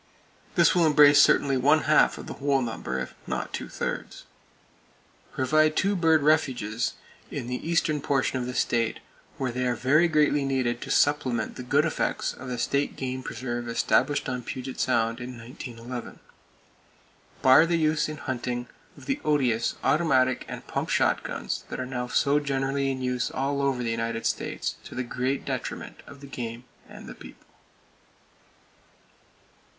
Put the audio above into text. This will embrace certainly one half of the whole number, if not two thirds. Provide two bird refuges in the eastern portion of the state, where they are very greatly needed to supplement the good effects of the State Game Preserve established on Puget Sound in 1911. Bar the use in hunting of the odious automatic and pump shotguns that are now so generally in use all over the United States to the great detriment of the game and the people.